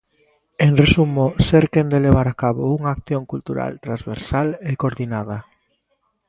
En resumo, ser quen de levar a cabo unha acción cultural transversal e coordinada.